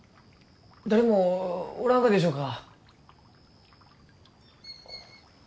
誰もおらんがでしょうか？